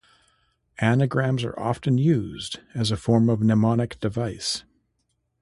Anagrams are often used as a form of mnemonic device.